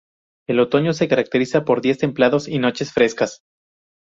El otoño se caracteriza por días templados y noches frescas.